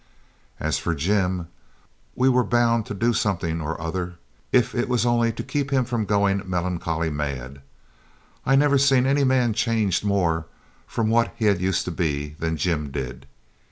As for Jim, we were bound to do something or other, if it was only to keep him from going melancholy mad. I never seen any man changed more from what he used to be than Jim did.